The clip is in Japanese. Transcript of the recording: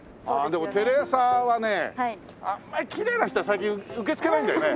でもテレ朝はねあんまりきれいな人は最近受け付けないんだよね。